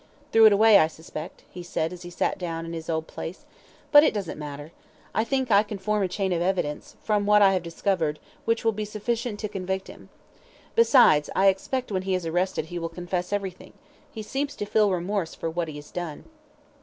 "Threw it away, I suspect," he said, as he sat down in his, old place; "but it doesn't matter. I think I can form a chain of evidence, from what I have discovered, which will be sufficient to convict him. Besides, I expect when he is arrested he will confess everything; he seems to feel remorse for what he has done."